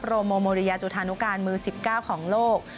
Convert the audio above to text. โมโมริยาจุธานุการมือ๑๙ของโลก